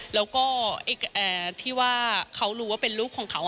แล้วก็ที่ว่าเขารู้ว่าเป็นลูกของเขา